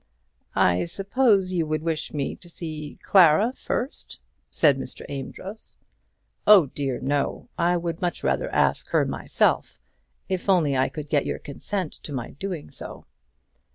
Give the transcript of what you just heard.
"I suppose you would wish me to see Clara first," said Mr. Amedroz. "Oh dear, no. I would much rather ask her myself; if only I could get your consent to my doing so."